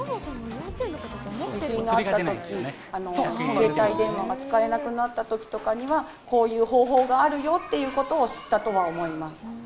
地震があったとき、携帯電話が使えなくなったときとかには、こういう方法があるよっていうことを知ったとは思います。